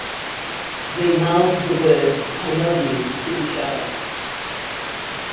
They mouth the words, "I love you", to each other.